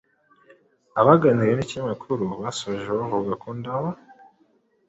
Abaganiriye n’iki kinyamakuru basoje bavuga ko Ndaba